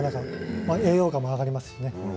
栄養価も上がりますし。